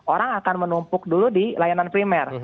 orang akan menumpuk dulu di layanan primer